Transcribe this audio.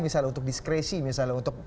misalnya untuk diskresi misalnya untuk